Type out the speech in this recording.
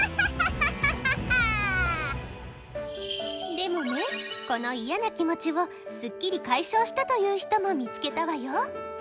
でもねこの嫌な気持ちをすっきり解消したという人も見つけたわよ。